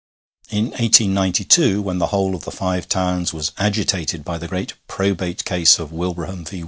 In 1892, when the whole of the Five Towns was agitated by the great probate case of Wilbraham _v.